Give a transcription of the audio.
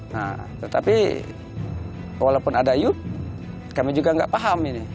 nah tetapi walaupun ada yuk kami juga nggak paham ini